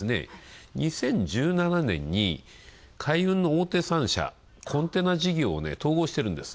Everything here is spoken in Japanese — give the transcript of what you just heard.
２０１７年に海運の大手３社、コンテナ事業を統合してるんです。